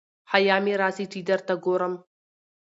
حیا مي راسي چي درته ګورم